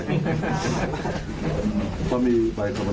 แหมะมีรสหวานติดปลายลูกด้วยนะ